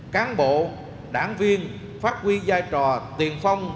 cán bộ đảng viên phát huy giai trò tiền phong